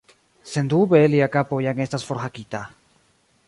Sendube, lia kapo jam estas forhakita.